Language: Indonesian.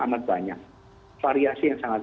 amat banyak variasi yang sangat